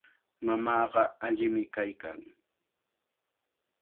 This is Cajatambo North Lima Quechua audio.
Mamaaqa allimi kaykan.